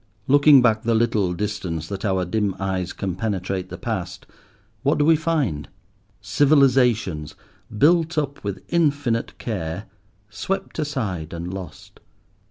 Looking back the little distance that our dim eyes can penetrate the past, what do we find? Civilizations, built up with infinite care, swept aside and lost.